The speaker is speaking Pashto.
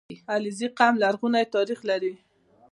• علیزي قوم لرغونی تاریخ لري.